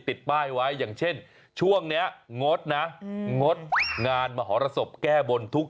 ติดป้ายไว้อย่างเช่นช่วงนี้งดนะงดงานมหรสบแก้บนทุก